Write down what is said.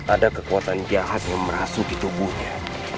ada kekuatan jahat yang merasuki tubuhnya